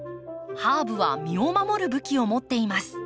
ハーブは身を守る武器を持っています。